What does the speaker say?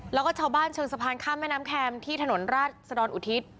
แล้วก็ชาวบ้านเชิงสะพานข้ามแม่น้ำแคมที่ถนนราชดรอุทิศ